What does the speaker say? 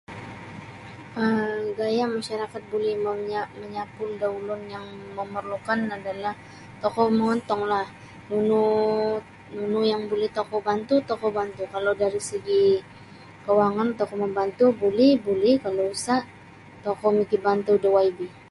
um gaya' masarakat buli monya' manyapul da ulun yang momorlu'kan adalah tokou mongontonglah nunu nunu yang buli tokou bantu tokou bantu kalau dari segi' kawangan tokou mambantu buli buli kalau sa' tokou mikibantu' da waibi.